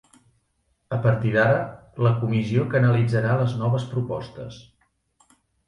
A partir d'ara, la comissió canalitzarà les noves propostes.